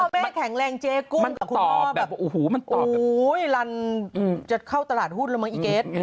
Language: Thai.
พ่อแม่แข็งแรงเจกุกับคุณฮอล์แบบโอ้โหเข้าตลาดหุ้นแล้วมั้ยอี้เกฟส์